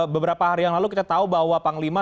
beberapa hari yang lalu kita tahu bahwa panglima